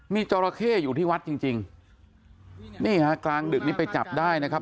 มีจราเข้อยู่ที่วัดจริงจริงนี่ฮะกลางดึกนี้ไปจับได้นะครับ